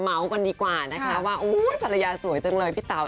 กันดีกว่านะคะว่าภรรยาสวยจังเลยพี่เต๋า